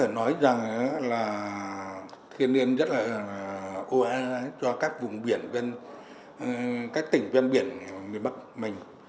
nó là thiên niên rất là ưu ái cho các vùng biển các tỉnh ven biển miền bắc mình